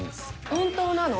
本当なの？